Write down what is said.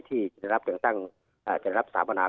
ที่เกิดรับการสาบนา